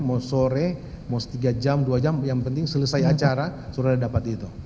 mau sore mau tiga jam dua jam yang penting selesai acara saudara dapat itu